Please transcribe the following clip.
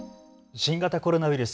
新型コロナウイルス